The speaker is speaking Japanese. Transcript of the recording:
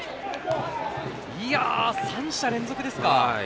３者連続ですか。